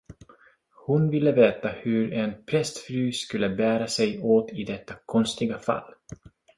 Hon ville veta hur en prästfru skulle bära sig åt i detta konstiga fall.